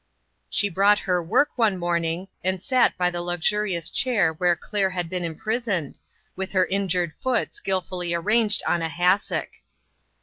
She brought her work one morning, and sat by the luxurious chair where Claire had been imprisoned, with her injured foot skill fully arranged on a hassock.